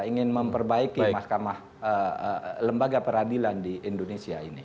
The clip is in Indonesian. ingin memperbaiki mahkamah lembaga peradilan di indonesia ini